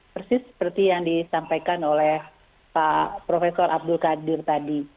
persis seperti yang disampaikan oleh pak profesor abdul qadir tadi